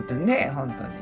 本当に。